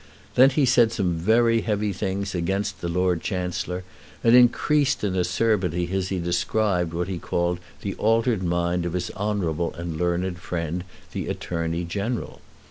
Then he said some very heavy things against the Lord Chancellor, and increased in acerbity as he described what he called the altered mind of his honourable and learned friend the Attorney General.